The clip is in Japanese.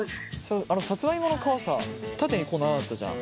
さつまいもの皮さ縦にこう長かったじゃん。